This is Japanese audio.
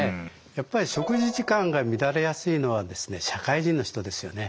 やっぱり食事時間が乱れやすいのはですね社会人の人ですよね。